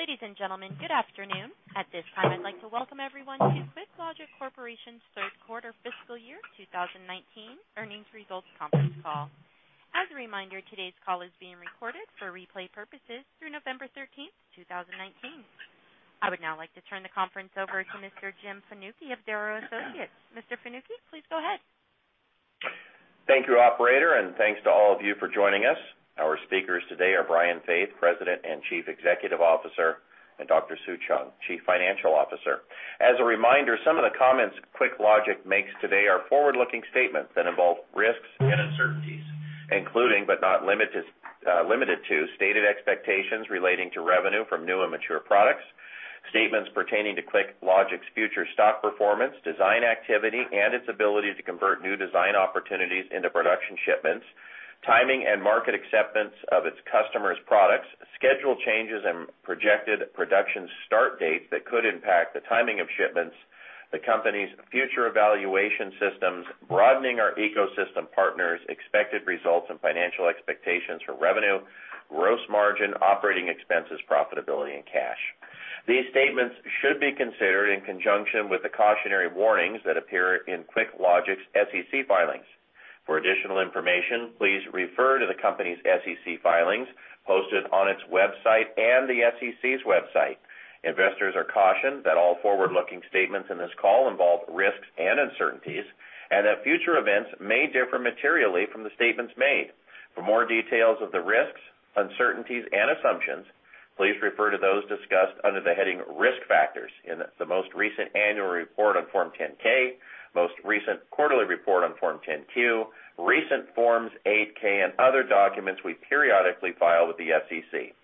Ladies and gentlemen, good afternoon. At this time, I'd like to welcome everyone to QuickLogic Corporation's third quarter fiscal year 2019 earnings results conference call. As a reminder, today's call is being recorded for replay purposes through November 13th, 2019. I would now like to turn the conference over to Mr. Jim Fanucchi of Darrow Associates. Mr. Fanucchi, please go ahead. Thank you, operator, and thanks to all of you for joining us. Our speakers today are Brian Faith, President and Chief Executive Officer, and Dr. Sue Cheung, Chief Financial Officer. As a reminder, some of the comments QuickLogic makes today are forward-looking statements that involve risks and uncertainties, including, but not limited to, stated expectations relating to revenue from new and mature products, statements pertaining to QuickLogic's future stock performance, design activity, and its ability to convert new design opportunities into production shipments, timing and market acceptance of its customers' products, schedule changes and projected production start dates that could impact the timing of shipments, the company's future evaluation systems, broadening our ecosystem partners, expected results and financial expectations for revenue, gross margin, operating expenses, profitability, and cash. These statements should be considered in conjunction with the cautionary warnings that appear in QuickLogic's SEC filings. For additional information, please refer to the company's SEC filings posted on its website and the SEC's website. Investors are cautioned that all forward-looking statements in this call involve risks and uncertainties and that future events may differ materially from the statements made. For more details of the risks, uncertainties, and assumptions, please refer to those discussed under the heading Risk Factors in the most recent annual report on Form 10-K, most recent quarterly report on Form 10-Q, recent Forms 8-K, and other documents we periodically file with the SEC.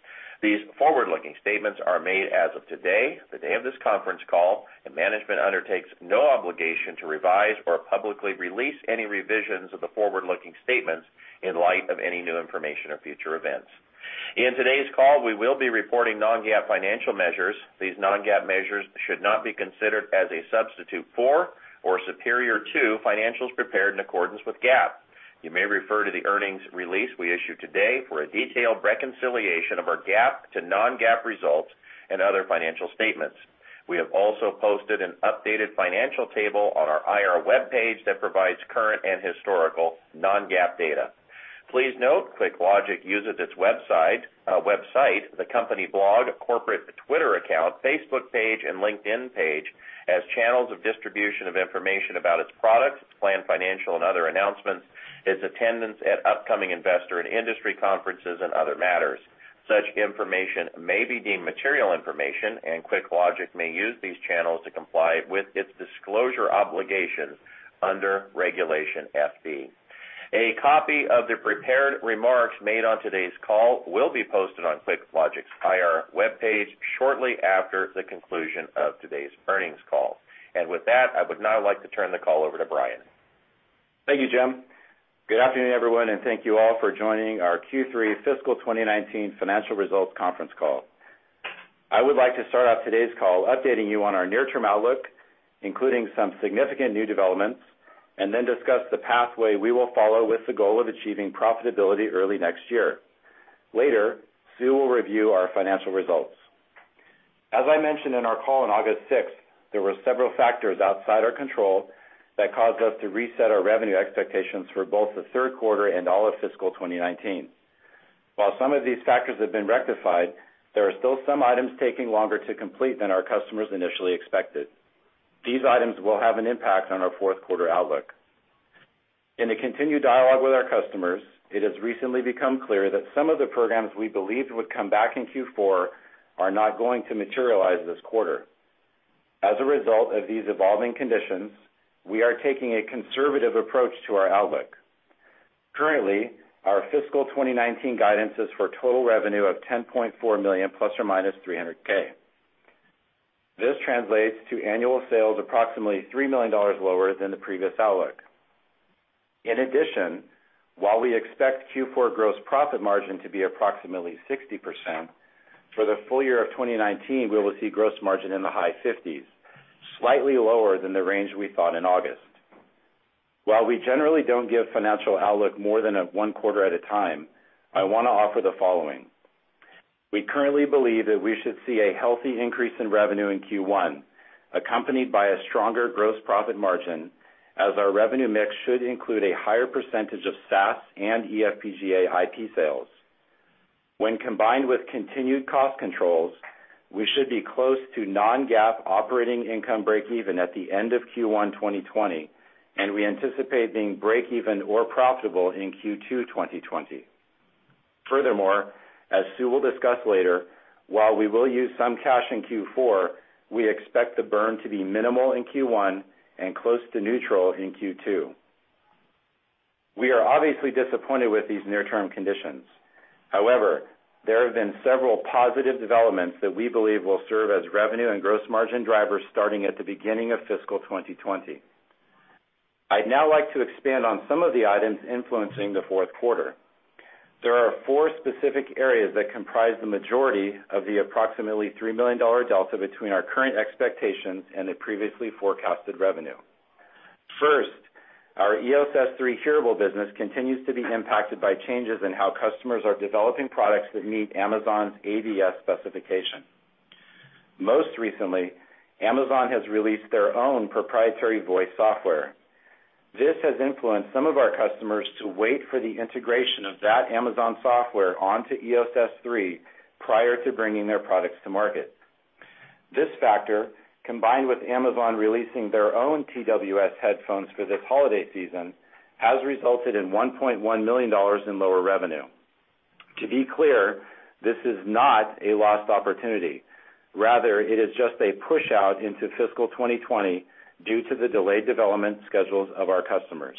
These forward-looking statements are made as of today, the day of this conference call, and management undertakes no obligation to revise or publicly release any revisions of the forward-looking statements in light of any new information or future events. In today's call, we will be reporting non-GAAP financial measures. These non-GAAP measures should not be considered as a substitute for or superior to financials prepared in accordance with GAAP. You may refer to the earnings release we issued today for a detailed reconciliation of our GAAP to non-GAAP results and other financial statements. We have also posted an updated financial table on our IR webpage that provides current and historical non-GAAP data. Please note, QuickLogic uses its website, the company blog, corporate Twitter account, Facebook page, and LinkedIn page as channels of distribution of information about its products, its planned financial and other announcements, its attendance at upcoming investor and industry conferences, and other matters. Such information may be deemed material information, and QuickLogic may use these channels to comply with its disclosure obligations under Regulation FD. A copy of the prepared remarks made on today's call will be posted on QuickLogic's IR webpage shortly after the conclusion of today's earnings call. With that, I would now like to turn the call over to Brian. Thank you, Jim. Good afternoon, everyone, and thank you all for joining our Q3 fiscal 2019 financial results conference call. I would like to start off today's call updating you on our near-term outlook, including some significant new developments, and then discuss the pathway we will follow with the goal of achieving profitability early next year. Later, Sue will review our financial results. As I mentioned in our call on August 6th, there were several factors outside our control that caused us to reset our revenue expectations for both the third quarter and all of fiscal 2019. While some of these factors have been rectified, there are still some items taking longer to complete than our customers initially expected. These items will have an impact on our fourth quarter outlook. In a continued dialogue with our customers, it has recently become clear that some of the programs we believed would come back in Q4 are not going to materialize this quarter. As a result of these evolving conditions, we are taking a conservative approach to our outlook. Currently, our fiscal 2019 guidance is for total revenue of $10.4 million, ±$300,000. This translates to annual sales approximately $3 million lower than the previous outlook. In addition, while we expect Q4 gross profit margin to be approximately 60%, for the full year of 2019, we will see gross margin in the high 50s, slightly lower than the range we thought in August. While we generally don't give financial outlook more than one quarter at a time, I want to offer the following. We currently believe that we should see a healthy increase in revenue in Q1, accompanied by a stronger gross profit margin, as our revenue mix should include a higher percentage of SaaS and eFPGA IP sales. When combined with continued cost controls, we should be close to non-GAAP operating income break even at the end of Q1 2020, and we anticipate being break even or profitable in Q2 2020. As Sue will discuss later, while we will use some cash in Q4, we expect the burn to be minimal in Q1 and close to neutral in Q2. We are obviously disappointed with these near-term conditions. There have been several positive developments that we believe will serve as revenue and gross margin drivers starting at the beginning of fiscal 2020. I'd now like to expand on some of the items influencing the fourth quarter. There are four specific areas that comprise the majority of the approximately $3 million delta between our current expectations and the previously forecasted revenue. First, our EOS S3 hearable business continues to be impacted by changes in how customers are developing products that meet Amazon's AVS specification. Most recently, Amazon has released their own proprietary voice software. This has influenced some of our customers to wait for the integration of that Amazon software onto EOS S3 prior to bringing their products to market. This factor, combined with Amazon releasing their own TWS headphones for this holiday season, has resulted in $1.1 million in lower revenue. To be clear, this is not a lost opportunity. Rather, it is just a push-out into fiscal 2020 due to the delayed development schedules of our customers.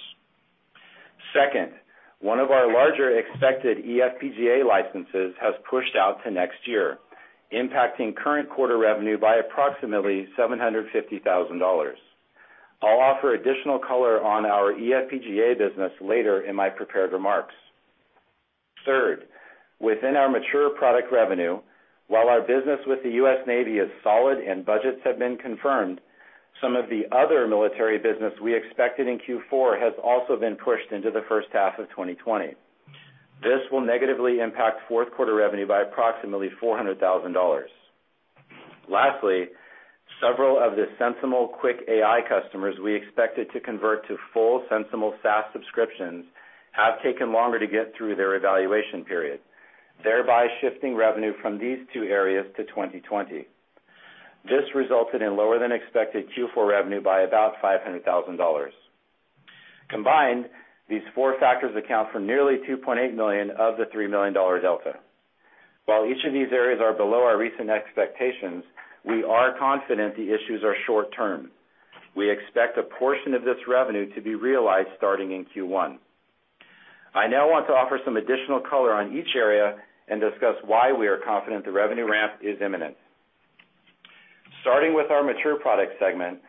One of our larger expected eFPGA licenses has pushed out to next year, impacting current quarter revenue by approximately $750,000. I'll offer additional color on our eFPGA business later in my prepared remarks. Within our mature product revenue, while our business with the US Navy is solid and budgets have been confirmed, some of the other military business we expected in Q4 has also been pushed into the first half of 2020. This will negatively impact fourth quarter revenue by approximately $400,000. Several of the SensiML QuickAI customers we expected to convert to full SensiML SaaS subscriptions have taken longer to get through their evaluation period, thereby shifting revenue from these two areas to 2020. This resulted in lower than expected Q4 revenue by about $500,000. These four factors account for nearly $2.8 million of the $3 million delta. While each of these areas are below our recent expectations, we are confident the issues are short-term. We expect a portion of this revenue to be realized starting in Q1. I now want to offer some additional color on each area and discuss why we are confident the revenue ramp is imminent. Starting with our mature product segment,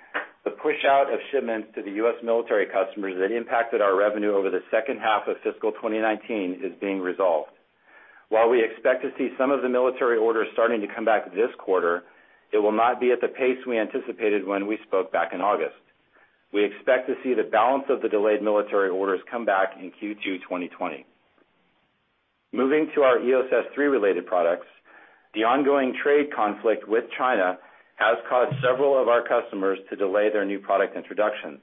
the push-out of shipments to the U.S. military customers that impacted our revenue over the second half of fiscal 2019 is being resolved. While we expect to see some of the military orders starting to come back this quarter, it will not be at the pace we anticipated when we spoke back in August. We expect to see the balance of the delayed military orders come back in Q2 2020. Moving to our EOS S3 related products, the ongoing trade conflict with China has caused several of our customers to delay their new product introductions.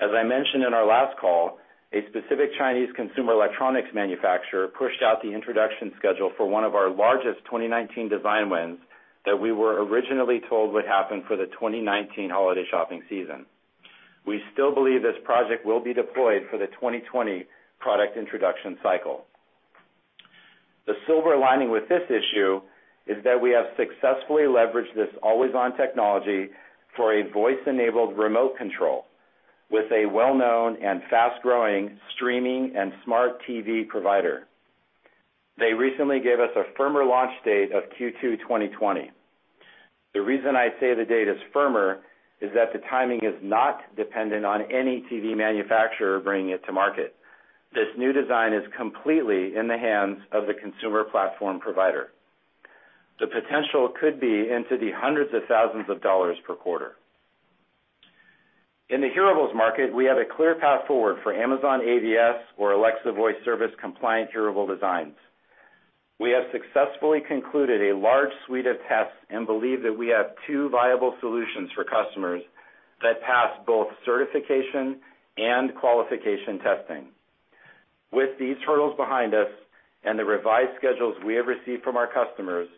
As I mentioned in our last call, a specific Chinese consumer electronics manufacturer pushed out the introduction schedule for one of our largest 2019 design wins that we were originally told would happen for the 2019 holiday shopping season. We still believe this project will be deployed for the 2020 product introduction cycle. The silver lining with this issue is that we have successfully leveraged this always-on technology for a voice-enabled remote control with a well-known and fast-growing streaming and smart TV provider. They recently gave us a firmer launch date of Q2 2020. The reason I say the date is firmer is that the timing is not dependent on any TV manufacturer bringing it to market. This new design is completely in the hands of the consumer platform provider. The potential could be into the hundreds of thousands of dollars per quarter. In the hearables market, we have a clear path forward for Amazon AVS or Alexa Voice Service compliant hearable designs. We have successfully concluded a large suite of tests and believe that we have two viable solutions for customers that pass both certification and qualification testing. With these hurdles behind us and the revised schedules we have received from our customers,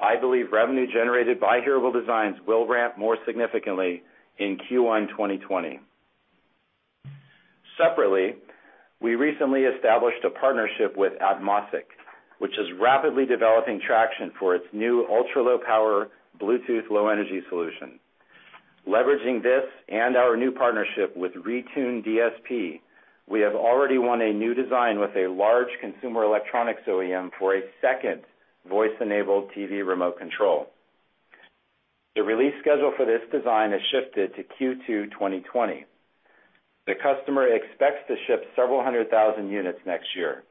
I believe revenue generated by hearable designs will ramp more significantly in Q1 2020. Separately, we recently established a partnership with Atmosic, which is rapidly developing traction for its new ultra-low power Bluetooth Low Energy solution. Leveraging this and our new partnership with Retune DSP, we have already won a new design with a large consumer electronics OEM for a second voice-enabled TV remote control. The release schedule for this design has shifted to Q2 2020. The customer expects to ship several hundred thousand units next year.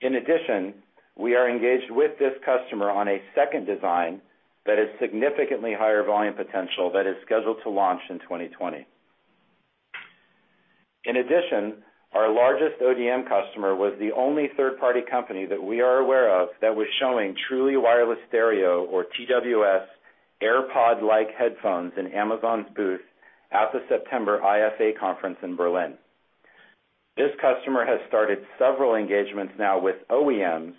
In addition, we are engaged with this customer on a second design that is significantly higher volume potential that is scheduled to launch in 2020. In addition, our largest ODM customer was the only third-party company that we are aware of that was showing truly wireless stereo or TWS AirPod-like headphones in Amazon's booth at the September IFA conference in Berlin. This customer has started several engagements now with OEMs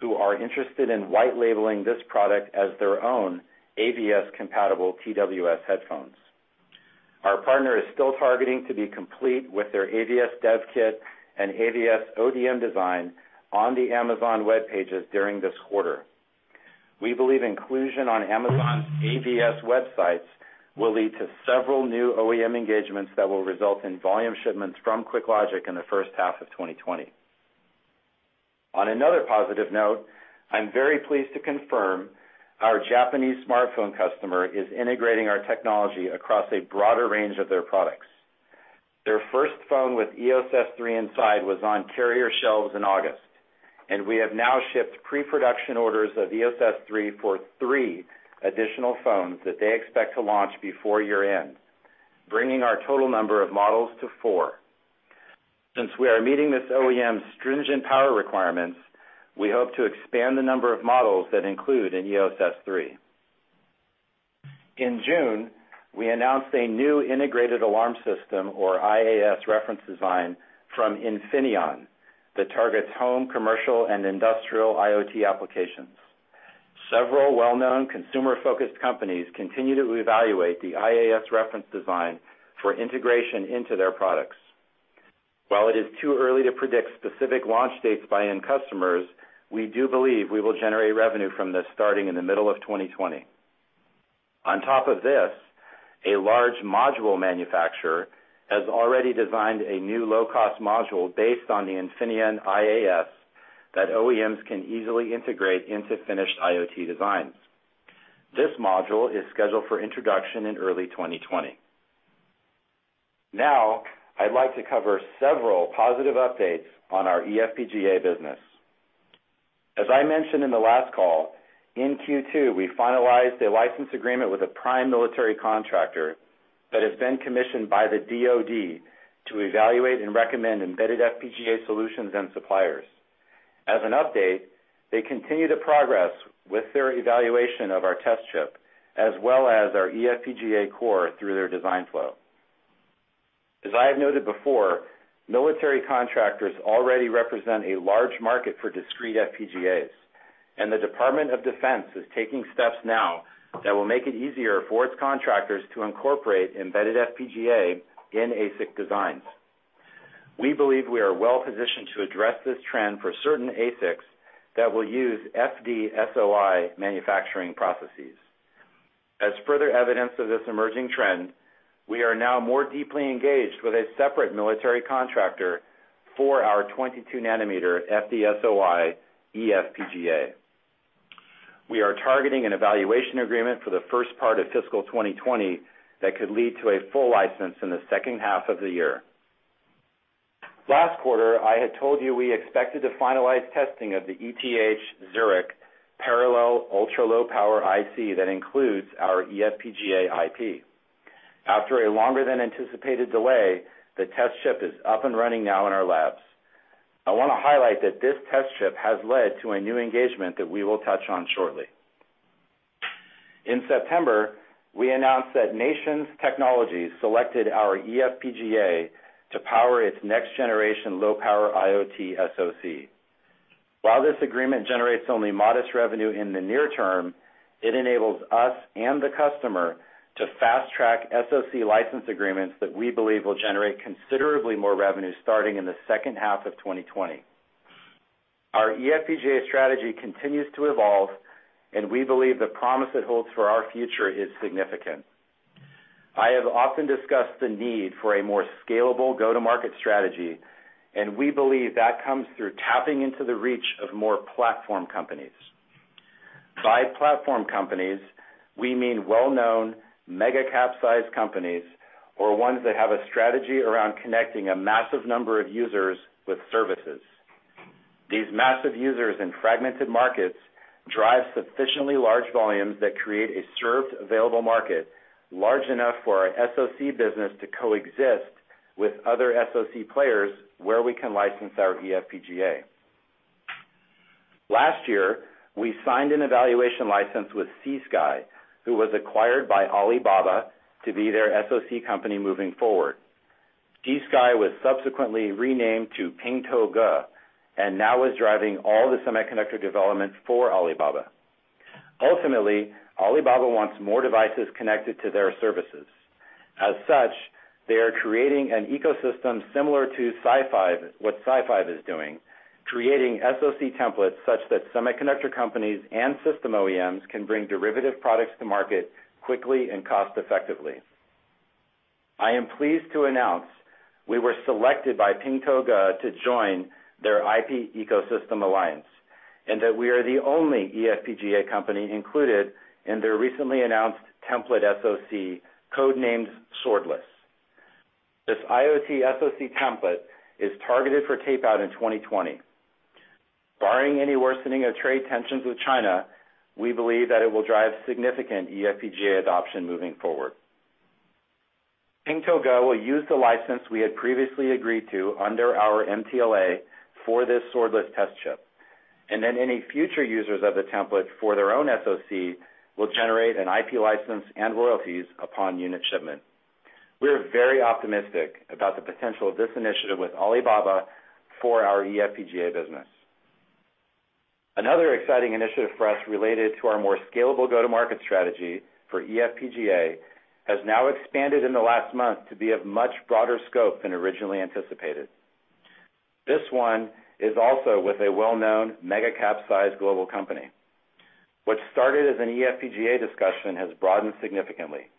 who are interested in white labeling this product as their own AVS compatible TWS headphones. Our partner is still targeting to be complete with their AVS dev kit and AVS ODM design on the Amazon web pages during this quarter. We believe inclusion on Amazon's AVS websites will lead to several new OEM engagements that will result in volume shipments from QuickLogic in the first half of 2020. On another positive note, I'm very pleased to confirm our Japanese smartphone customer is integrating our technology across a broader range of their products. Their first phone with EOS S3 inside was on carrier shelves in August. We have now shipped pre-production orders of EOS S3 for three additional phones that they expect to launch before year-end, bringing our total number of models to four. Since we are meeting this OEM's stringent power requirements, we hope to expand the number of models that include an EOS S3. In June, we announced a new integrated alarm system, or IAS, reference design from Infineon that targets home, commercial, and industrial IoT applications. Several well-known consumer-focused companies continue to evaluate the IAS reference design for integration into their products. While it is too early to predict specific launch dates by end customers, we do believe we will generate revenue from this starting in the middle of 2020. On top of this, a large module manufacturer has already designed a new low-cost module based on the Infineon IAS that OEMs can easily integrate into finished IoT designs. This module is scheduled for introduction in early 2020. Now, I'd like to cover several positive updates on our eFPGA business. As I mentioned in the last call, in Q2, we finalized a license agreement with a prime military contractor that has been commissioned by the DoD to evaluate and recommend embedded FPGA solutions and suppliers. As an update, they continue to progress with their evaluation of our test chip, as well as our eFPGA core through their design flow. As I have noted before, military contractors already represent a large market for discrete FPGAs, and the Department of Defense is taking steps now that will make it easier for its contractors to incorporate embedded FPGA in ASIC designs. We believe we are well-positioned to address this trend for certain ASICs that will use FDSOI manufacturing processes. As further evidence of this emerging trend, we are now more deeply engaged with a separate military contractor for our 22 nanometer FDSOI eFPGA. We are targeting an evaluation agreement for the first part of fiscal 2020 that could lead to a full license in the second half of the year. Last quarter, I had told you we expected to finalize testing of the ETH Zurich parallel ultra-low power IC that includes our eFPGA IP. After a longer than anticipated delay, the test chip is up and running now in our labs. I want to highlight that this test chip has led to a new engagement that we will touch on shortly. In September, we announced that Nations Technologies selected our eFPGA to power its next generation low-power IoT SoC. While this agreement generates only modest revenue in the near term, it enables us and the customer to fast track SoC license agreements that we believe will generate considerably more revenue starting in the second half of 2020. Our eFPGA strategy continues to evolve, and we believe the promise it holds for our future is significant. I have often discussed the need for a more scalable go-to-market strategy, and we believe that comes through tapping into the reach of more platform companies. By platform companies, we mean well-known mega cap-sized companies or ones that have a strategy around connecting a massive number of users with services. These massive users in fragmented markets drive sufficiently large volumes that create a served available market large enough for our SoC business to coexist with other SoC players where we can license our eFPGA. Last year, we signed an evaluation license with C-SKY, who was acquired by Alibaba to be their SoC company moving forward. C-SKY was subsequently renamed to Pingtouge, and now is driving all the semiconductor development for Alibaba. Ultimately, Alibaba wants more devices connected to their services. As such, they are creating an ecosystem similar to what SiFive is doing, creating SoC templates such that semiconductor companies and system OEMs can bring derivative products to market quickly and cost effectively. I am pleased to announce we were selected by Pingtouge to join their IP ecosystem alliance, and that we are the only eFPGA company included in their recently announced template SoC, code-named Swordless. This IoT SoC template is targeted for tape-out in 2020. Barring any worsening of trade tensions with China, we believe that it will drive significant eFPGA adoption moving forward. Pingtouge will use the license we had previously agreed to under our MTLA for this Swordless test chip, and then any future users of the template for their own SoC will generate an IP license and royalties upon unit shipment. We are very optimistic about the potential of this initiative with Alibaba for our eFPGA business. Another exciting initiative for us related to our more scalable go-to-market strategy for eFPGA has now expanded in the last month to be of much broader scope than originally anticipated. This one is also with a well-known mega cap-sized global company. What started as an eFPGA discussion has broadened significantly.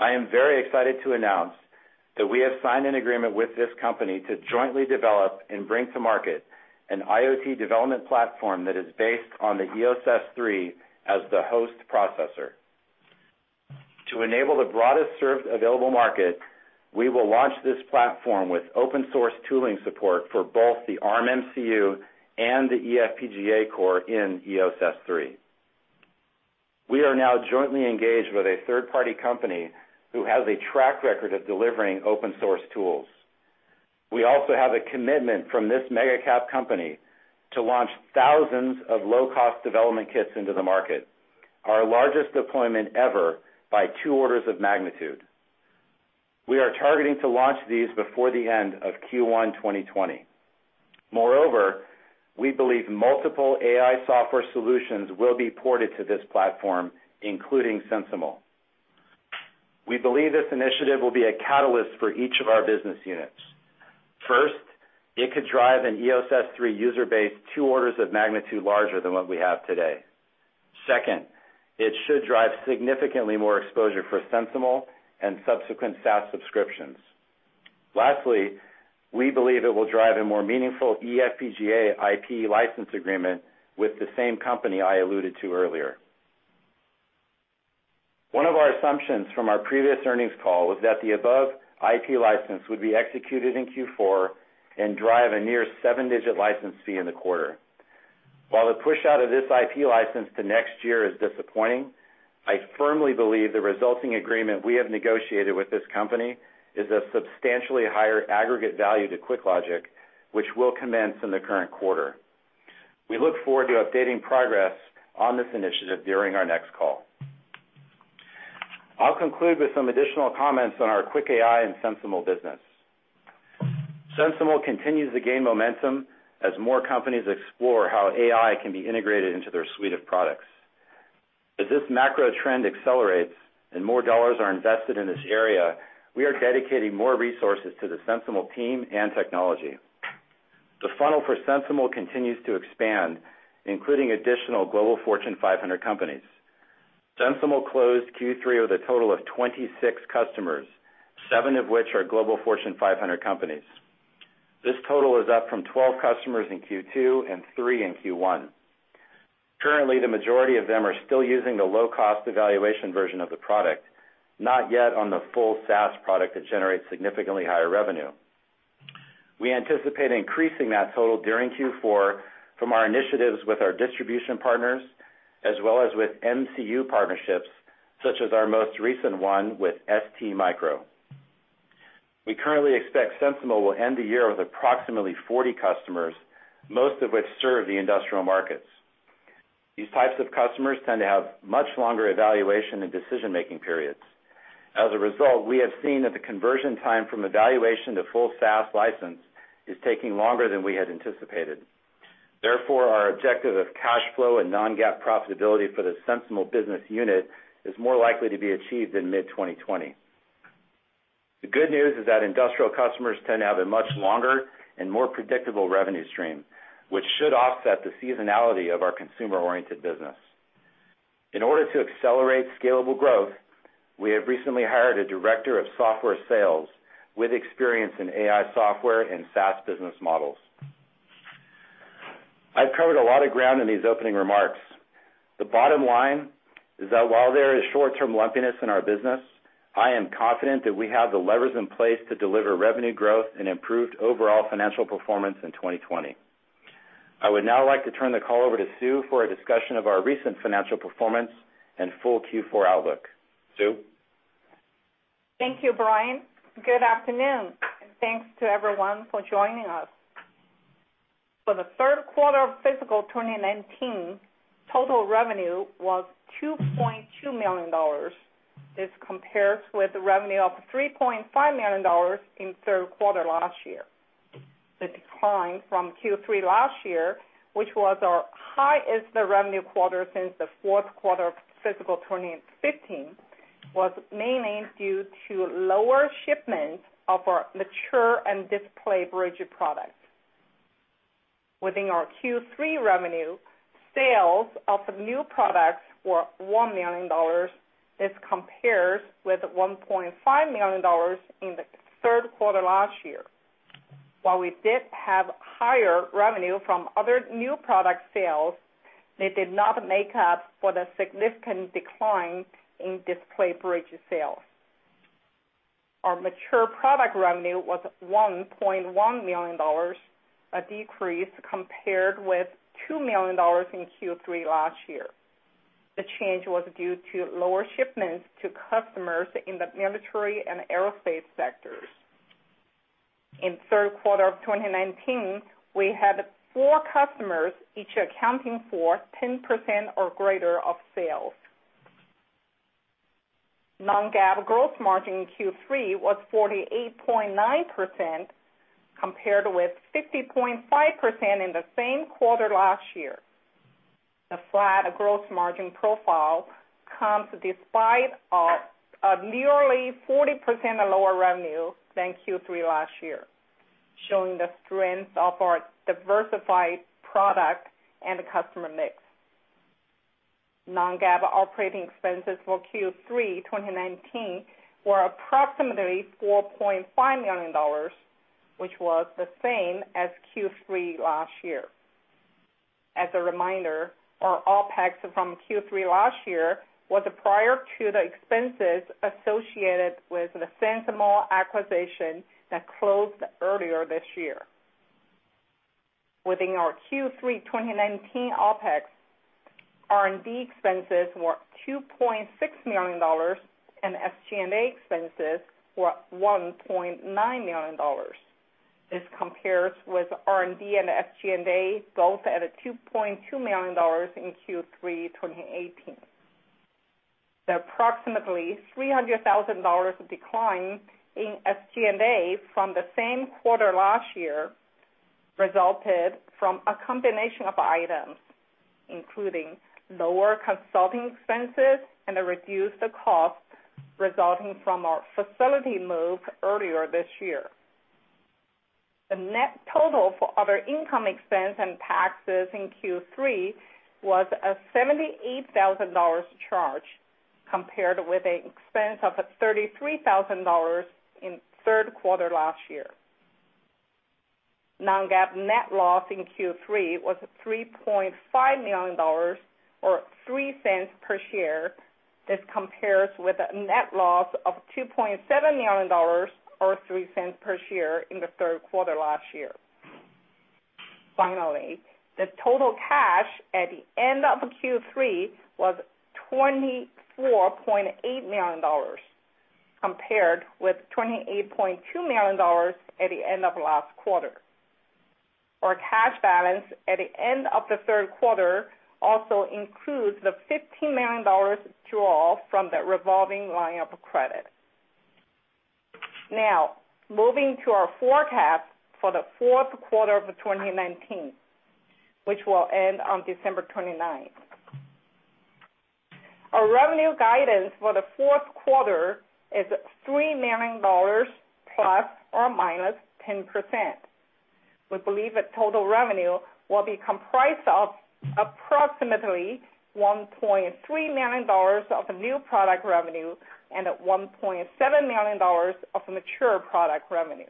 I am very excited to announce that we have signed an agreement with this company to jointly develop and bring to market an IoT development platform that is based on the EOS S3 as the host processor. To enable the broadest served available market, we will launch this platform with open-source tooling support for both the Arm MCU and the eFPGA core in EOS S3. We are now jointly engaged with a third-party company who has a track record of delivering open-source tools. We also have a commitment from this mega cap company to launch thousands of low-cost development kits into the market, our largest deployment ever, by 2 orders of magnitude. We are targeting to launch these before the end of Q1 2020. Moreover, we believe multiple AI software solutions will be ported to this platform, including SensiML. We believe this initiative will be a catalyst for each of our business units. First, it could drive an EOS S3 user base 2 orders of magnitude larger than what we have today. Second, it should drive significantly more exposure for SensiML and subsequent SaaS subscriptions. Lastly, we believe it will drive a more meaningful eFPGA IP license agreement with the same company I alluded to earlier. One of our assumptions from our previous earnings call was that the above IP license would be executed in Q4 and drive a near seven-digit license fee in the quarter. While the pushout of this IP license to next year is disappointing, I firmly believe the resulting agreement we have negotiated with this company is a substantially higher aggregate value to QuickLogic, which will commence in the current quarter. We look forward to updating progress on this initiative during our next call. I'll conclude with some additional comments on our QuickAI and SensiML business. SensiML continues to gain momentum as more companies explore how AI can be integrated into their suite of products. As this macro trend accelerates and more dollars are invested in this area, we are dedicating more resources to the SensiML team and technology. The funnel for SensiML continues to expand, including additional Global Fortune 500 companies. SensiML closed Q3 with a total of 26 customers, seven of which are Global Fortune 500 companies. This total is up from 12 customers in Q2 and three in Q1. Currently, the majority of them are still using the low-cost evaluation version of the product, not yet on the full SaaS product that generates significantly higher revenue. We anticipate increasing that total during Q4 from our initiatives with our distribution partners as well as with MCU partnerships, such as our most recent one with STMicro. We currently expect SensiML will end the year with approximately 40 customers, most of which serve the industrial markets. These types of customers tend to have much longer evaluation and decision-making periods. As a result, we have seen that the conversion time from evaluation to full SaaS license is taking longer than we had anticipated. Therefore, our objective of cash flow and non-GAAP profitability for the SensiML business unit is more likely to be achieved in mid-2020. The good news is that industrial customers tend to have a much longer and more predictable revenue stream, which should offset the seasonality of our consumer-oriented business. In order to accelerate scalable growth, we have recently hired a director of software sales with experience in AI software and SaaS business models. I've covered a lot of ground in these opening remarks. The bottom line is that while there is short-term lumpiness in our business, I am confident that we have the levers in place to deliver revenue growth and improved overall financial performance in 2020. I would now like to turn the call over to Sue for a discussion of our recent financial performance and full Q4 outlook. Sue? Thank you, Brian. Good afternoon, and thanks to everyone for joining us. For the third quarter of fiscal 2019, total revenue was $2.2 million. This compares with the revenue of $3.5 million in third quarter last year. The decline from Q3 last year, which was our highest revenue quarter since the fourth quarter of fiscal 2015, was mainly due to lower shipments of our mature and Display Bridge products. Within our Q3 revenue, sales of new products were $1 million. This compares with $1.5 million in the third quarter last year. While we did have higher revenue from other new product sales, they did not make up for the significant decline in Display Bridge sales. Our mature product revenue was $1.1 million, a decrease compared with $2 million in Q3 last year. The change was due to lower shipments to customers in the military and aerospace sectors. In third quarter of 2019, we had four customers, each accounting for 10% or greater of sales. Non-GAAP gross margin in Q3 was 48.9%, compared with 50.5% in the same quarter last year. The flat gross margin profile comes despite a nearly 40% lower revenue than Q3 last year, showing the strength of our diversified product and customer mix. Non-GAAP operating expenses for Q3 2019 were approximately $4.5 million, which was the same as Q3 last year. As a reminder, our OpEx from Q3 last year was prior to the expenses associated with the SensiML acquisition that closed earlier this year. Within our Q3 2019 OpEx, R&D expenses were $2.6 million, and SG&A expenses were $1.9 million. This compares with R&D and SG&A both at $2.2 million in Q3 2018. The approximately $300,000 decline in SG&A from the same quarter last year resulted from a combination of items, including lower consulting expenses and a reduced cost resulting from our facility move earlier this year. The net total for other income expense and taxes in Q3 was a $78,000 charge, compared with an expense of $33,000 in third quarter last year. Non-GAAP net loss in Q3 was $3.5 million, or $0.03 per share. This compares with a net loss of $2.7 million, or $0.03 per share in the third quarter last year. Finally, the total cash at the end of Q3 was $24.8 million, compared with $28.2 million at the end of last quarter. Our cash balance at the end of the third quarter also includes the $15 million draw from the revolving line of credit. Moving to our forecast for the fourth quarter of 2019, which will end on December 29th. Our revenue guidance for the fourth quarter is $3 million, ±10%. We believe that total revenue will be comprised of approximately $1.3 million of new product revenue and $1.7 million of mature product revenue.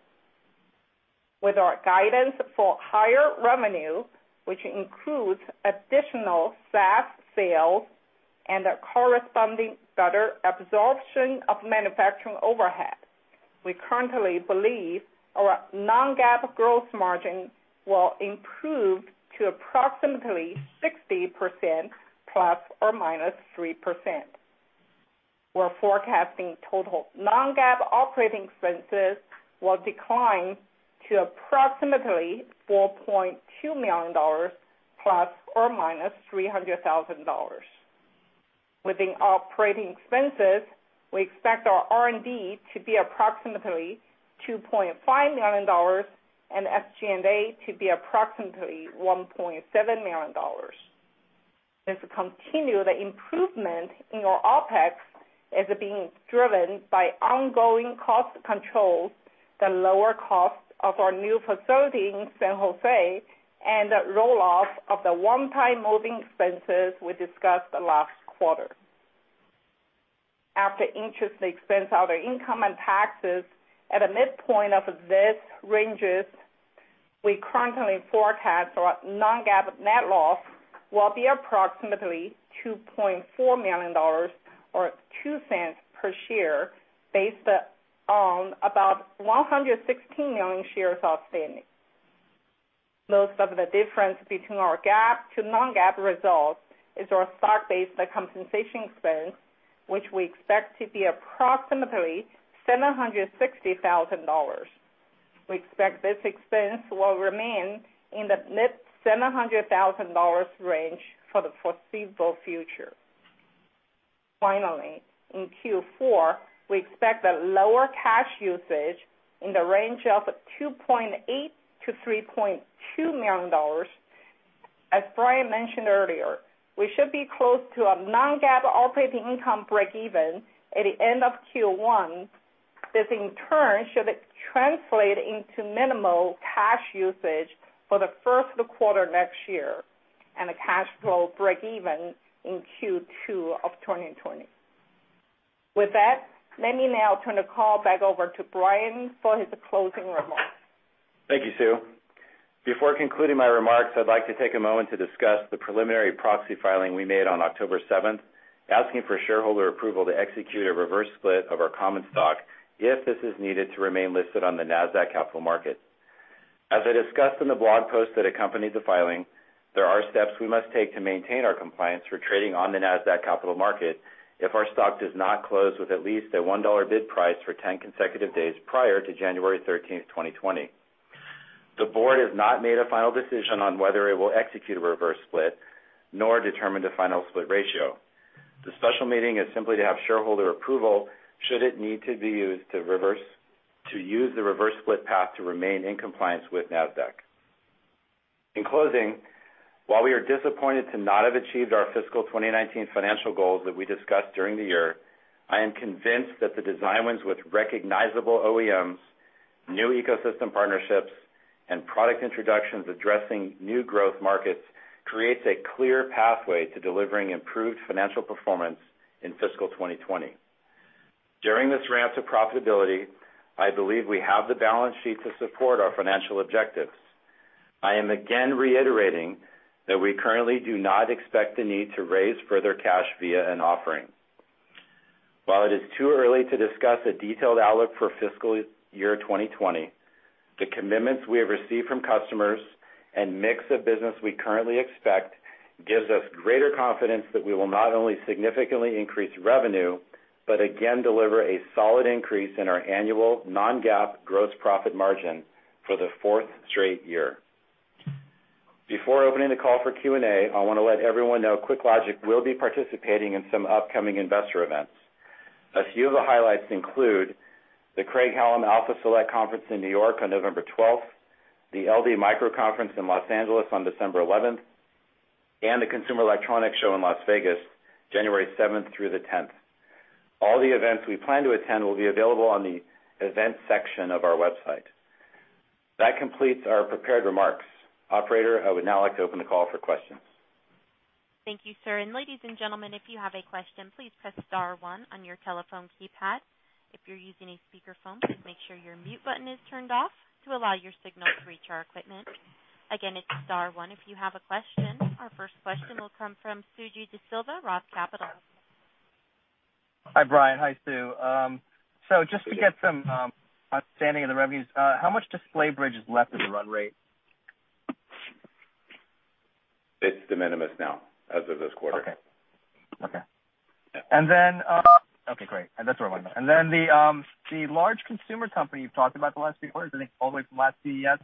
With our guidance for higher revenue, which includes additional SaaS sales and a corresponding better absorption of manufacturing overhead, we currently believe our non-GAAP growth margin will improve to approximately 60%, ±3%. We're forecasting total non-GAAP operating expenses will decline to approximately $4.2 million, ±$300,000. Within operating expenses, we expect our R&D to be approximately $2.5 million and SG&A to be approximately $1.7 million. This continued improvement in our OpEx is being driven by ongoing cost controls, the lower cost of our new facility in San Jose, and the roll-off of the one-time moving expenses we discussed last quarter. After interest expense, other income and taxes at the midpoint of this range, we currently forecast our non-GAAP net loss will be approximately $2.4 million, or $0.02 per share, based on about 116 million shares outstanding. Most of the difference between our GAAP to non-GAAP results is our stock-based compensation expense, which we expect to be approximately $760,000. We expect this expense will remain in the mid-$700,000 range for the foreseeable future. In Q4, we expect a lower cash usage in the range of $2.8 million-$3.2 million. As Brian mentioned earlier, we should be close to a non-GAAP operating income break even at the end of Q1. This, in turn, should translate into minimal cash usage for the first quarter next year, and a cash flow break even in Q2 of 2020. With that, let me now turn the call back over to Brian for his closing remarks. Thank you, Sue. Before concluding my remarks, I'd like to take a moment to discuss the preliminary proxy filing we made on October 7th, asking for shareholder approval to execute a reverse split of our common stock if this is needed to remain listed on the Nasdaq Capital Market. As I discussed in the blog post that accompanied the filing, there are steps we must take to maintain our compliance for trading on the Nasdaq Capital Market if our stock does not close with at least a $1 bid price for 10 consecutive days prior to January 13th, 2020. The board has not made a final decision on whether it will execute a reverse split nor determine the final split ratio. The special meeting is simply to have shareholder approval should it need to use the reverse split path to remain in compliance with Nasdaq. In closing, while we are disappointed to not have achieved our fiscal 2019 financial goals that we discussed during the year, I am convinced that the design wins with recognizable OEMs, new ecosystem partnerships, and product introductions addressing new growth markets creates a clear pathway to delivering improved financial performance in fiscal 2020. During this ramp to profitability, I believe we have the balance sheet to support our financial objectives. I am again reiterating that we currently do not expect the need to raise further cash via an offering. While it is too early to discuss a detailed outlook for fiscal year 2020, the commitments we have received from customers and mix of business we currently expect gives us greater confidence that we will not only significantly increase revenue, but again, deliver a solid increase in our annual non-GAAP gross profit margin for the fourth straight year. Before opening the call for Q&A, I want to let everyone know QuickLogic will be participating in some upcoming investor events. A few of the highlights include the Craig-Hallum Alpha Select Conference in New York on November 12th, the LD Micro Conference in Los Angeles on December 11th, and the Consumer Electronics Show in Las Vegas, January 7th through the 10th. All the events we plan to attend will be available on the events section of our website. That completes our prepared remarks. Operator, I would now like to open the call for questions. Thank you, sir. Ladies and gentlemen, if you have a question, please press star one on your telephone keypad. If you're using a speakerphone, please make sure your mute button is turned off to allow your signal to reach our equipment. Again, it's star one if you have a question. Our first question will come from Suji Desilva, Roth Capital. Hi, Brian. Hi, Sue. Just to get some understanding of the revenues, how much Display Bridge is left as a run rate? It's de minimis now, as of this quarter. Okay. Yeah. Okay, great. That's where I wanted. The large consumer company you've talked about the last few quarters, I think all the way from last CES.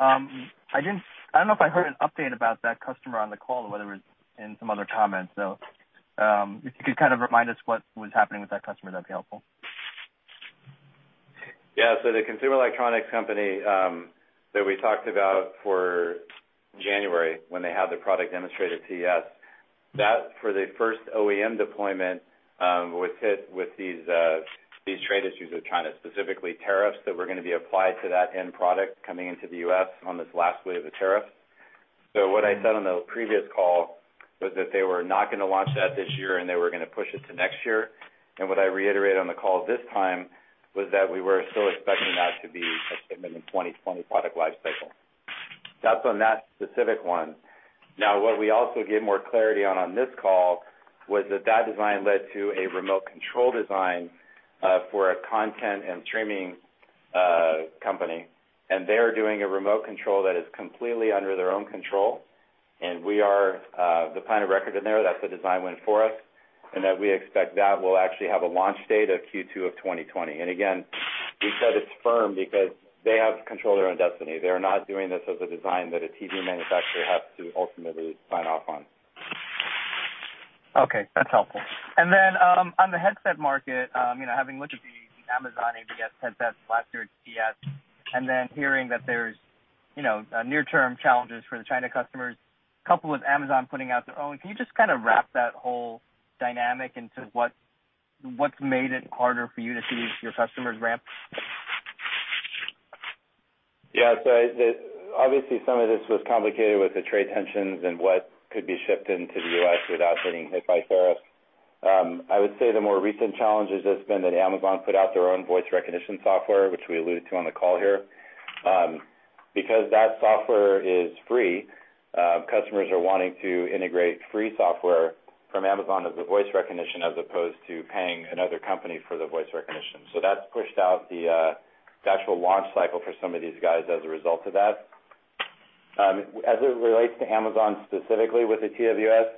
I don't know if I heard an update about that customer on the call or whether it was in some other comments. If you could kind of remind us what was happening with that customer, that'd be helpful. Yeah. The consumer electronics company that we talked about for January, when they had the product demonstrated at CES, that for the first OEM deployment, was hit with these trade issues with China, specifically tariffs that were going to be applied to that end product coming into the U.S. on this last wave of tariffs. What I said on the previous call was that they were not going to launch that this year, and they were going to push it to next year. What I reiterated on the call this time was that we were still expecting that to be a shipment in 2020 product life cycle. That's on that specific one. What we also gave more clarity on this call was that that design led to a remote control design for a content and streaming company, and they are doing a remote control that is completely under their own control, and we are the plan of record in there. That's the design win for us, and that we expect that will actually have a launch date of Q2 of 2020. Again, we said it's firm because they have control of their own destiny. They're not doing this as a design that a TV manufacturer has to ultimately sign off on. Okay, that's helpful. On the headset market, having looked at the Amazon AVS headsets last year at CES and then hearing that there's near-term challenges for the China customers, coupled with Amazon putting out their own, can you just kind of wrap that whole dynamic into what's made it harder for you to see your customers ramp? Yeah. Obviously, some of this was complicated with the trade tensions and what could be shipped into the U.S. without getting hit by tariffs. I would say the more recent challenge has just been that Amazon put out their own voice recognition software, which we alluded to on the call here. Because that software is free, customers are wanting to integrate free software from Amazon as the voice recognition, as opposed to paying another company for the voice recognition. That's pushed out the actual launch cycle for some of these guys as a result of that. As it relates to Amazon specifically with the TWS,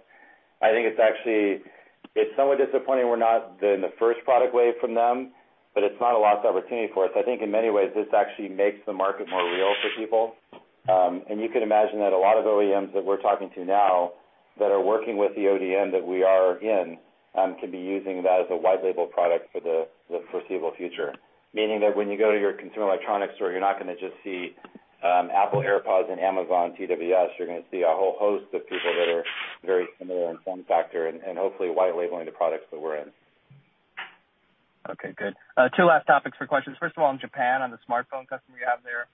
I think it's actually somewhat disappointing we're not in the first product wave from them, but it's not a lost opportunity for us. I think in many ways, this actually makes the market more real for people. You can imagine that a lot of OEMs that we're talking to now that are working with the ODM that we are in, could be using that as a white label product for the foreseeable future, meaning that when you go to your consumer electronics store, you're not going to just see Apple AirPods and Amazon TWS. You're going to see a whole host of people that are very similar in form factor and hopefully white labeling the products that we're in. Okay, good. Two last topics for questions. First of all, on Japan, on the smartphone customer you have there,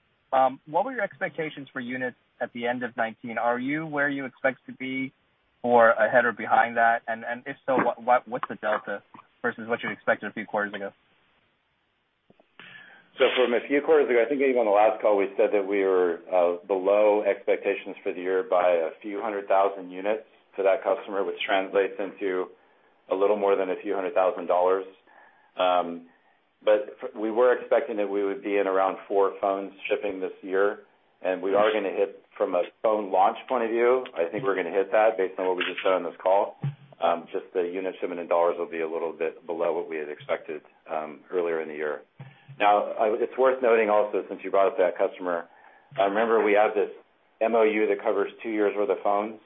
what were your expectations for units at the end of 2019? Are you where you expect to be or ahead or behind that? If so, what's the delta versus what you expected a few quarters ago? From a few quarters ago, I think even on the last call, we said that we were below expectations for the year by a few hundred thousand units for that customer, which translates into a little more than a few hundred thousand dollars. We were expecting that we would be in around four phones shipping this year, and we are going to hit from a phone launch point of view, I think we're going to hit that based on what we just said on this call. Just the unit shipment in dollars will be a little bit below what we had expected earlier in the year. It's worth noting also, since you brought up that customer, remember we have this MoU that covers two years' worth of phones.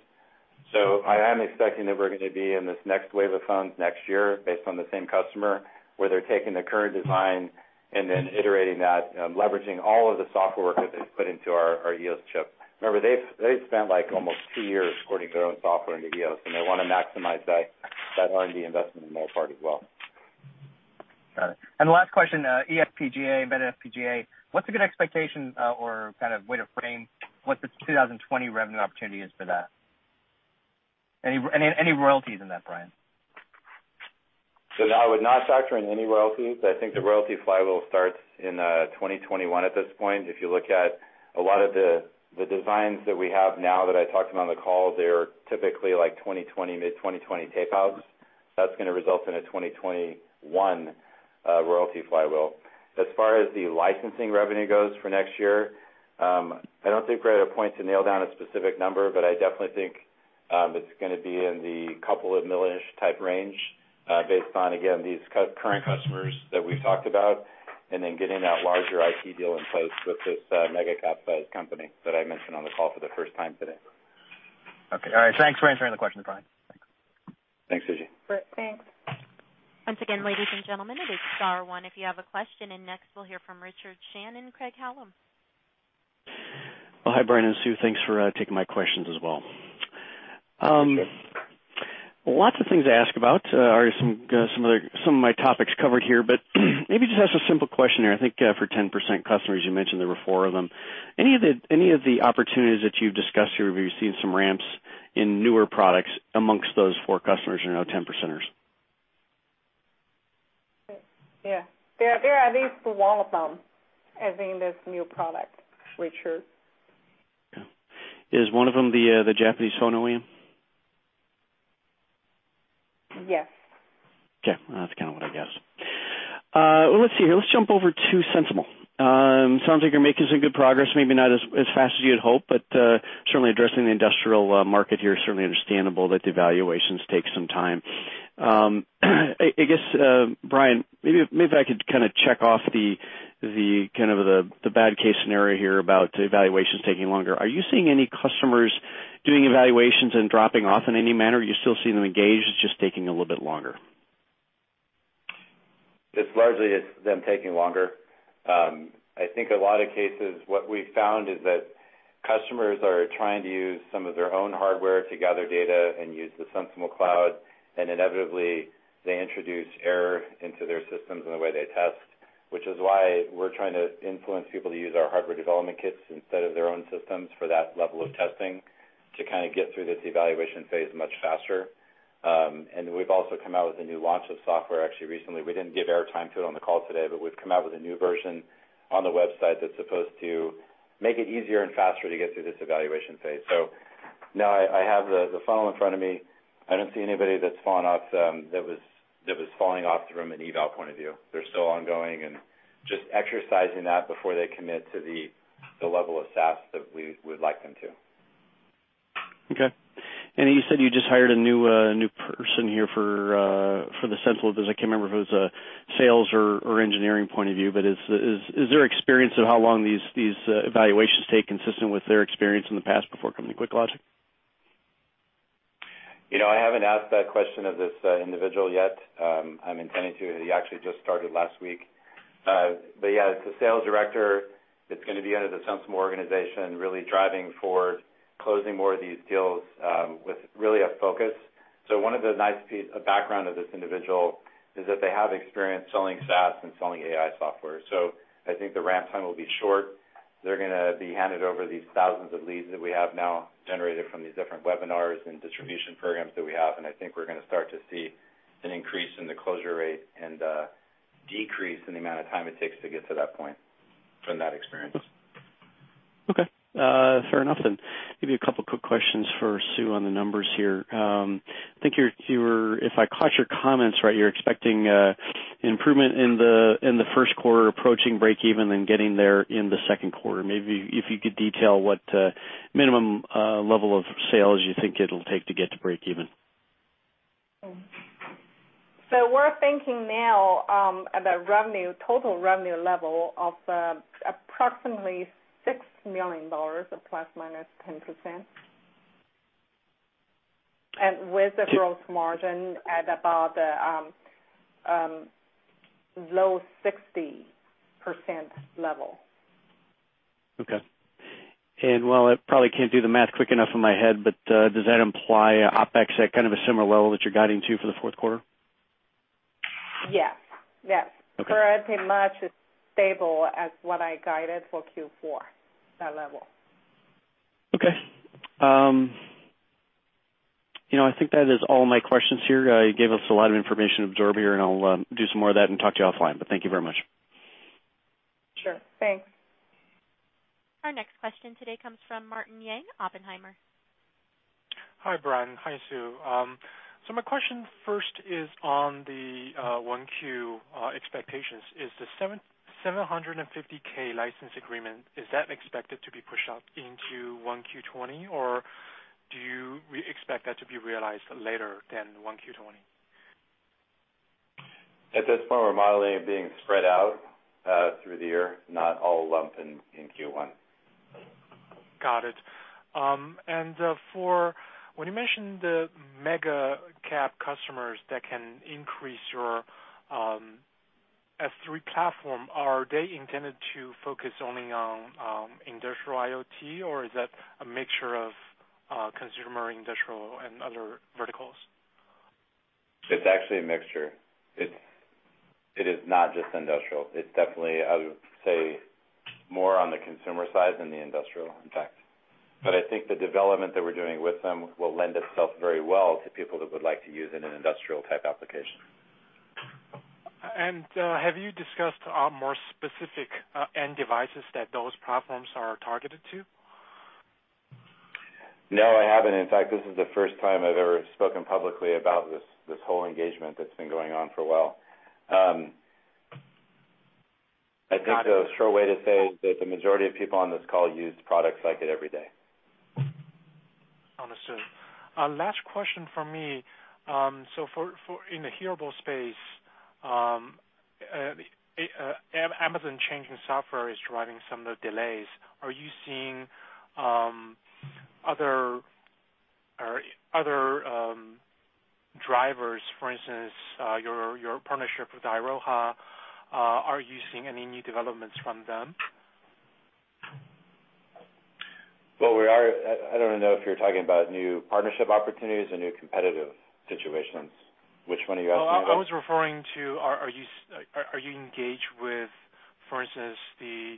I am expecting that we're going to be in this next wave of phones next year based on the same customer, where they're taking the current design and then iterating that, leveraging all of the software work that they've put into our EOS chip. Remember, they've spent almost two years porting their own software into EOS, and they want to maximize that R&D investment on their part as well. Got it. The last question, eFPGA, meta FPGA, what's a good expectation or kind of way to frame what the 2020 revenue opportunity is for that? Any royalties in that, Brian? No, I would not factor in any royalties. I think the royalty flywheel starts in 2021 at this point. If you look at a lot of the designs that we have now that I talked about on the call, they're typically mid-2020 tape-outs. That's going to result in a 2021 royalty flywheel. As far as the licensing revenue goes for next year, I don't think we're at a point to nail down a specific number, but I definitely think it's going to be in the $couple of million-ish type range based on, again, these current customers that we've talked about, and then getting that larger IP deal in place with this mega-cap company that I mentioned on the call for the first time today. Okay. All right. Thanks for answering the question, Brian. Thanks. Thanks, Suji. Great. Thanks. Once again, ladies and gentlemen, it is star one if you have a question. Next, we'll hear from Richard Shannon, Craig-Hallum. Well, hi, Brian and Sue. Thanks for taking my questions as well. Hi, Richard. Lots of things to ask about. I heard some of my topics covered here, but maybe just ask a simple question here. I think for 10% customers, you mentioned there were four of them. Any of the opportunities that you've discussed here, have you seen some ramps in newer products amongst those four customers you know are 10%ers? Yeah. There are at least one of them is in this new product, Richard. Okay. Is one of them the Japanese Sony? Yes. Okay. That's kind of what I guessed. Let's see here. Let's jump over to SensiML. Sounds like you're making some good progress, maybe not as fast as you'd hope, but certainly addressing the industrial market here, certainly understandable that the evaluations take some time. I guess, Brian, maybe if I could kind of check off the bad case scenario here about evaluations taking longer. Are you seeing any customers doing evaluations and dropping off in any manner? Are you still seeing them engaged, it's just taking a little bit longer? It's largely it's them taking longer. I think a lot of cases, what we've found is that customers are trying to use some of their own hardware to gather data and use the SensiML cloud, and inevitably, they introduce error into their systems in the way they test, which is why we're trying to influence people to use our hardware development kits instead of their own systems for that level of testing to kind of get through this evaluation phase much faster. We've also come out with a new launch of software actually recently. We didn't give airtime to it on the call today, we've come out with a new version on the website that's supposed to make it easier and faster to get through this evaluation phase. No, I have the funnel in front of me. I don't see anybody that was falling off from an eval point of view. They're still ongoing and just exercising that before they commit to the level of SaaS that we would like them to. Okay. You said you just hired a new person here for the SensiML business. I can't remember if it was a sales or engineering point of view, but is there experience of how long these evaluations take consistent with their experience in the past before coming to QuickLogic? I haven't asked that question of this individual yet. I'm intending to. He actually just started last week. Yeah, it's a sales director that's going to be under the SensiML organization, really driving forward closing more of these deals, with really a focus. One of the nice piece of background of this individual is that they have experience selling SaaS and selling AI software. I think the ramp time will be short. They're going to be handed over these thousands of leads that we have now generated from these different webinars and distribution programs that we have, and I think we're going to start to see an increase in the closure rate and a decrease in the amount of time it takes to get to that point from that experience. Okay. Fair enough then. A couple quick questions for Sue on the numbers here. I think if I caught your comments right, you're expecting an improvement in the first quarter approaching break even, then getting there in the second quarter. If you could detail what minimum level of sales you think it'll take to get to break even. We're thinking now at a total revenue level of approximately $6 million, or ±10%, and with the gross margin at about low 60% level. Okay. While I probably can't do the math quick enough in my head, but does that imply OpEx at kind of a similar level that you're guiding to for the fourth quarter? Yes. Okay. Pretty much stable as what I guided for Q4, that level. Okay. I think that is all my questions here. You gave us a lot of information to absorb here, and I'll do some more of that and talk to you offline, but thank you very much. Sure. Thanks. Our next question today comes from Martin Yang, Oppenheimer. Hi, Brian. Hi, Sue. My question first is on the 1Q expectations. Is the $750K license agreement expected to be pushed out into 1Q 2020, or do you expect that to be realized later than 1Q 2020? At this point, we're modeling it being spread out through the year, not all lumped in Q1. Got it. When you mentioned the mega-cap customers that can increase your S3 platform, are they intended to focus only on industrial IoT, or is that a mixture of consumer, industrial, and other verticals? It's actually a mixture. It is not just industrial. It's definitely, I would say, more on the consumer side than the industrial, in fact. I think the development that we're doing with them will lend itself very well to people that would like to use it in an industrial type application. Have you discussed more specific end devices that those platforms are targeted to? No, I haven't. In fact, this is the first time I've ever spoken publicly about this whole engagement that's been going on for a while. I think the sure way to say is that the majority of people on this call use products like it every day. Understood. Last question from me. In the hearable space, Amazon changing software is driving some of the delays. Are you seeing other drivers? For instance, your partnership with Iroha, are you seeing any new developments from them? Well, I don't know if you're talking about new partnership opportunities or new competitive situations. Which one are you asking about? I was referring to, are you engaged with, for instance, the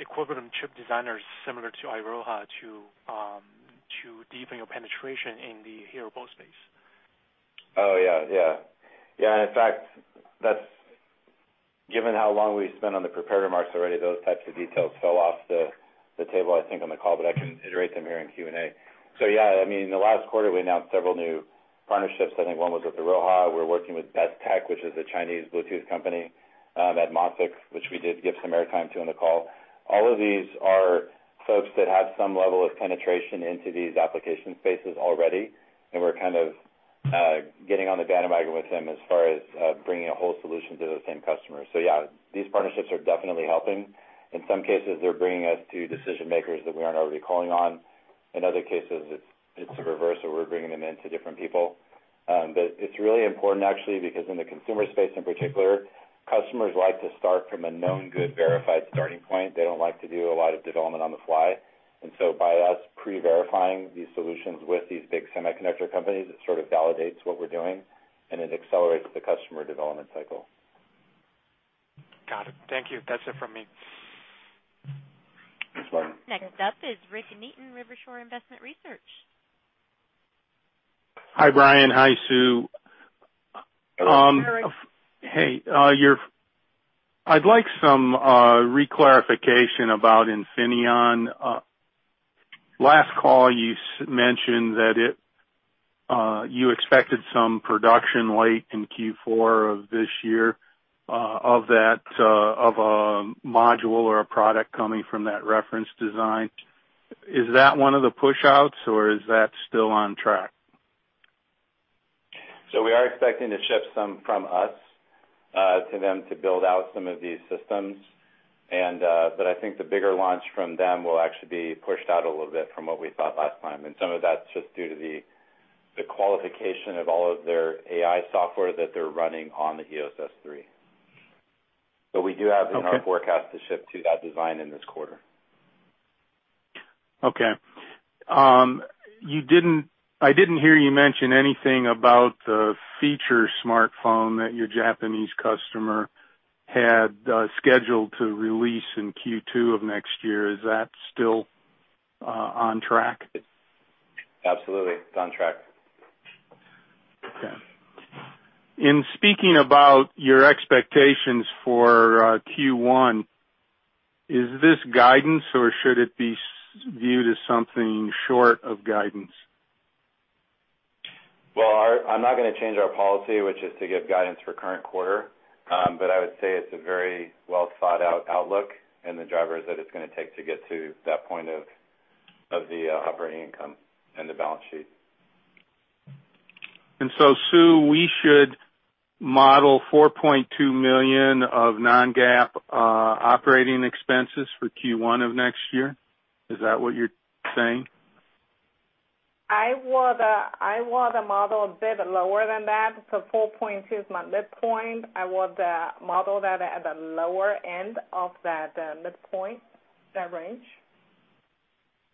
equivalent chip designers similar to Iroha to deepen your penetration in the hearable space? Oh, yeah. In fact, given how long we spent on the prepared remarks already, those types of details fell off the table, I think, on the call, but I can iterate them here in Q&A. Yeah, in the last quarter, we announced several new partnerships. I think one was with Iroha. We're working with Bestechnic, which is a Chinese Bluetooth company, Atmosic, which we did give some airtime to on the call. All of these are folks that have some level of penetration into these application spaces already, and we're kind of getting on the bandwagon with them as far as bringing a whole solution to those same customers. Yeah, these partnerships are definitely helping. In some cases, they're bringing us to decision-makers that we aren't already calling on. In other cases, it's the reverse, where we're bringing them in to different people. It's really important actually, because in the consumer space in particular, customers like to start from a known good verified starting point. They don't like to do a lot of development on the fly. By us pre-verifying these solutions with these big semiconductor companies, it sort of validates what we're doing, and it accelerates the customer development cycle. Got it. Thank you. That's it from me. Thanks, Martin. Next up is Rick Neaton, Rivershore Investment Research. Hi, Brian. Hi, Sue. Hello, Rick. Hey. I'd like some reclarification about Infineon. Last call, you mentioned that you expected some production late in Q4 of this year of a module or a product coming from that reference design. Is that one of the push-outs, or is that still on track? We are expecting to ship some from us to them to build out some of these systems. I think the bigger launch from them will actually be pushed out a little bit from what we thought last time, and some of that's just due to the qualification of all of their AI software that they're running on the EOS S3. We do have. Okay in our forecast to ship to that design in this quarter. Okay. I didn't hear you mention anything about the feature smartphone that your Japanese customer had scheduled to release in Q2 of next year. Is that still on track? Absolutely. It's on track. Okay. In speaking about your expectations for Q1, is this guidance, or should it be viewed as something short of guidance? Well, I'm not going to change our policy, which is to give guidance for current quarter. I would say it's a very well-thought-out outlook and the drivers that it's going to take to get to that point of the operating income and the balance sheet. Sue, we should model $4.2 million of non-GAAP operating expenses for Q1 of next year? Is that what you're saying? I would model a bit lower than that. 4.2 is my midpoint. I would model that at the lower end of that midpoint, that range,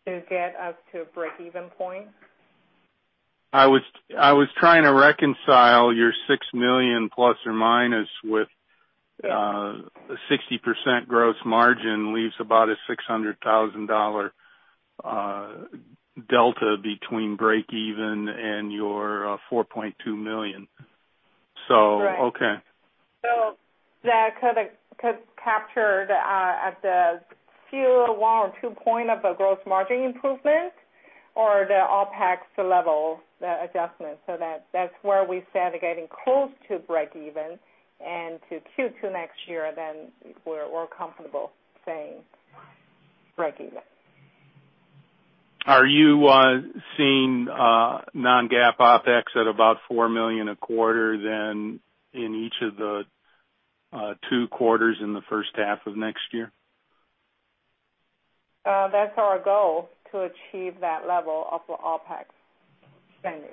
to get us to breakeven point. I was trying to reconcile your ±$6 million with a 60% gross margin, leaves about a $600,000 delta between breakeven and your $4.2 million. Right. Okay. That could capture at the Q1 or Q2 point of the gross margin improvement or the OpEx level adjustment. That's where we said getting close to breakeven, and to Q2 next year, then we're comfortable saying breakeven. Are you seeing non-GAAP OpEx at about $4 million a quarter then in each of the two quarters in the first half of next year? That's our goal, to achieve that level of OpEx spending.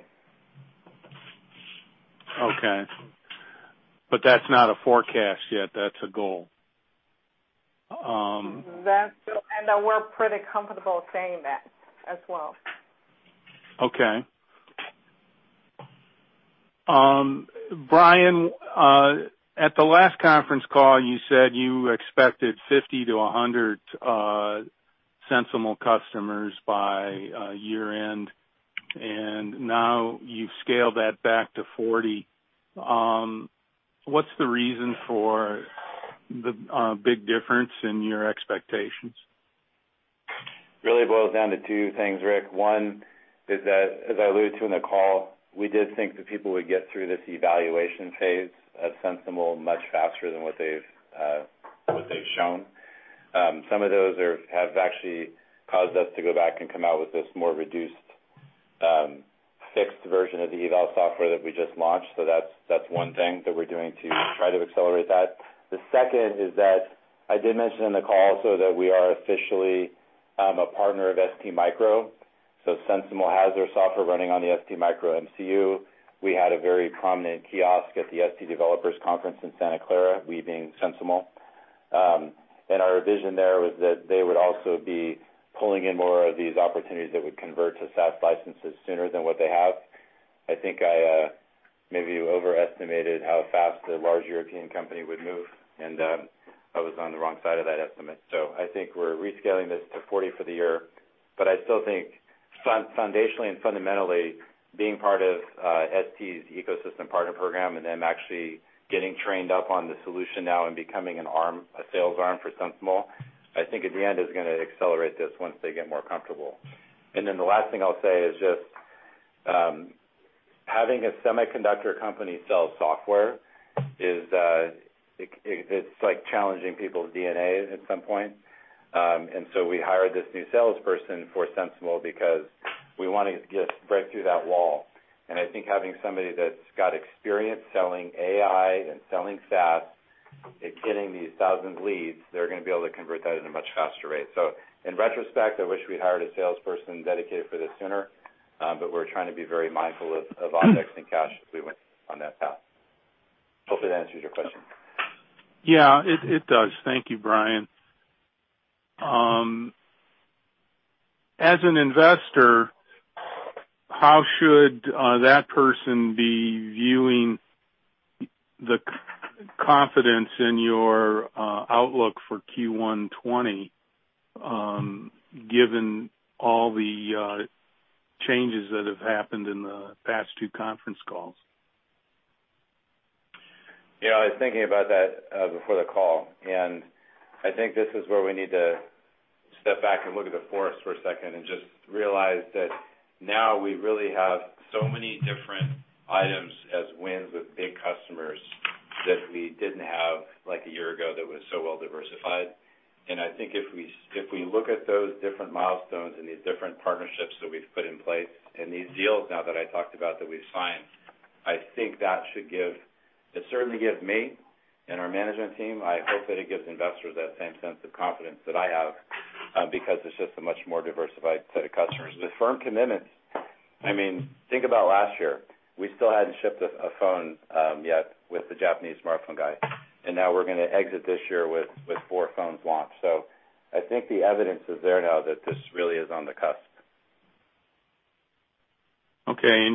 Okay. That's not a forecast yet. That's a goal. That's true, and we're pretty comfortable saying that as well. Okay. Brian, at the last conference call, you said you expected 50 to 100 SensiML customers by year-end, and now you've scaled that back to 40. What's the reason for the big difference in your expectations? Really boils down to two things, Rick. One is that, as I alluded to in the call, we did think that people would get through this evaluation phase at SensiML much faster than what they've shown. Some of those have actually caused us to go back and come out with this more reduced, fixed version of the eval software that we just launched. That's one thing that we're doing to try to accelerate that. The second is that I did mention in the call also that we are officially a partner of STMicro. SensiML has their software running on the STMicro MCU. We had a very prominent kiosk at the ST Developers Conference in Santa Clara, we being SensiML. Our vision there was that they would also be pulling in more of these opportunities that would convert to SaaS licenses sooner than what they have. I think I maybe overestimated how fast a large European company would move, and I was on the wrong side of that estimate. I think we're rescaling this to 40 for the year. I still think foundationally and fundamentally being part of ST's ecosystem partner program and them actually getting trained up on the solution now and becoming a sales arm for SensiML, I think in the end is going to accelerate this once they get more comfortable. The last thing I'll say is just having a semiconductor company sell software, it's challenging people's DNA at some point. We hired this new salesperson for SensiML because we want to just break through that wall, and I think having somebody that's got experience selling AI and selling SaaS and getting these thousands leads, they're going to be able to convert that at a much faster rate. In retrospect, I wish we'd hired a salesperson dedicated for this sooner, but we're trying to be very mindful of OpEx and cash if we went on that path. Hopefully, that answers your question. Yeah, it does. Thank you, Brian. As an investor, how should that person be viewing the confidence in your outlook for Q1 2020, given all the changes that have happened in the past two conference calls? Yeah, I was thinking about that before the call, and I think this is where we need to step back and look at the forest for a second and just realize that now we really have so many different items as wins with big customers that we didn't have a year ago that was so well-diversified. I think if we look at those different milestones and these different partnerships that we've put in place and these deals now that I talked about that we've signed, it certainly gives me and our management team, I hope that it gives investors that same sense of confidence that I have, because it's just a much more diversified set of customers. The firm commitments, think about last year, we still hadn't shipped a phone yet with the Japanese smartphone guy, and now we're going to exit this year with four phones launched. I think the evidence is there now that this really is on the cusp. Okay.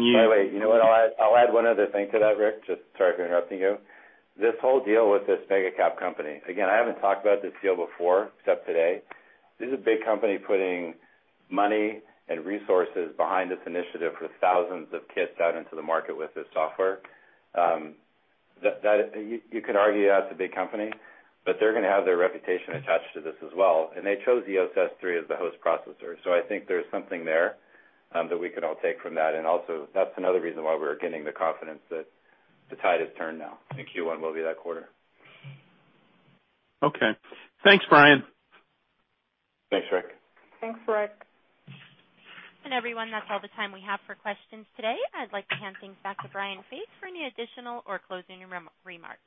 You know what? I'll add one other thing to that, Rick, just sorry for interrupting you. This whole deal with this mega cap company, again, I haven't talked about this deal before except today. This is a big company putting money and resources behind this initiative for thousands of kits out into the market with this software. You could argue that's a big company, but they're going to have their reputation attached to this as well, and they chose EOS S3 as the host processor. I think there's something there that we can all take from that. Also, that's another reason why we're gaining the confidence that the tide has turned now, and Q1 will be that quarter. Okay. Thanks, Brian. Thanks, Rick. Thanks, Rick. Everyone, that's all the time we have for questions today. I'd like to hand things back to Brian Faith for any additional or closing remarks.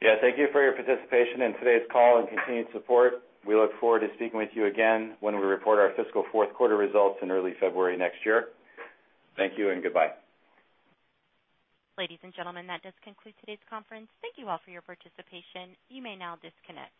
Yeah. Thank you for your participation in today's call and continued support. We look forward to speaking with you again when we report our fiscal fourth quarter results in early February next year. Thank you and goodbye. Ladies and gentlemen, that does conclude today's conference. Thank you all for your participation. You may now disconnect.